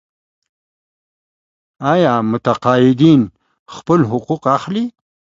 آیا متقاعدین خپل حقوق اخلي؟